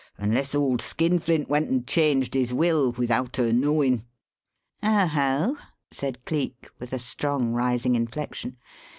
unless old skinflint went and changed his will without her knowin'." "Oho!" said Cleek, with a strong rising inflection.